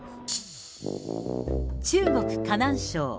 中国・河南省。